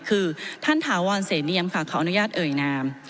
คือท่านถาวรเสเนียมค่ะขออนุญาตเอ่ยนาม